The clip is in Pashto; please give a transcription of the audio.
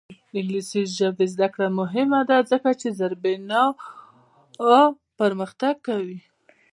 د انګلیسي ژبې زده کړه مهمه ده ځکه چې زیربنا پرمختګ کوي.